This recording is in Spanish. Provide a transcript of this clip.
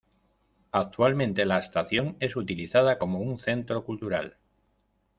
Actualmente la estación es utilizada como un centro cultural.